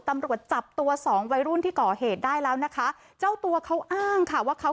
ตำรวจจับตัวสองวัยรุ่นที่ก่อเหตุได้แล้วนะคะ